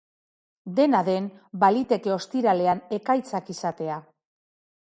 Dena den, baliteke ostiralean ekaitzak izatea.